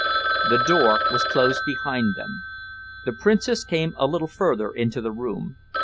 The door was closed behind them. The Princess came a little further into the room.